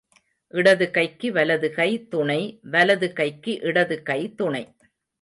இடது கைக்கு வலது கை துணை வலது கைக்கு இடது கை துணை.